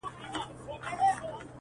پېغلي څنگه د واده سندري وايي،